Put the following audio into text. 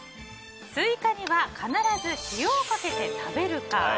スイカには必ず塩をかけて食べるか。